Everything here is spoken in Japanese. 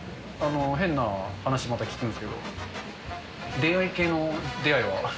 変な話、また聞くんですけど、恋愛系の出会いは？